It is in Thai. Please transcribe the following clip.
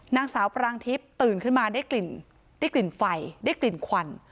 นางสาวปรางทิพย์ตื่นขึ้นมาได้กลิ่นไฟได้กลิ่นควัน